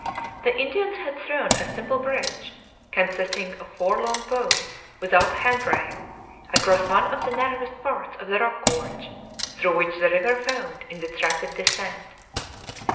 The Indians had thrown a simple bridge, consisting of four long poles, without a hand rail, across one of the narrowest parts of the rock gorge through which the river foamed in its rapid descent.